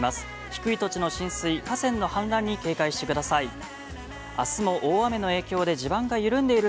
低い土地の浸水河川の氾濫に警戒してください。